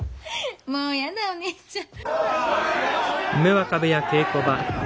もうやだお姉ちゃん。